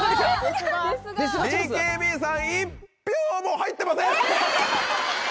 ＢＫＢさん１票も入ってません！